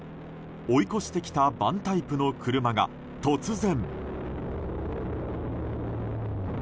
追い越してきたバンタイプの車が突然。